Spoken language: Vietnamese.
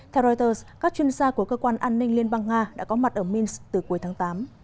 theo reuters các chuyên gia của cơ quan an ninh liên bang nga đã có mặt ở minsk từ cuối tháng tám